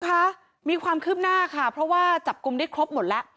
ค่ะมีความคืบหน้าค่ะเพราะว่าจับกลุ่มได้ครบหมดแล้ว